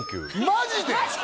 マジで！？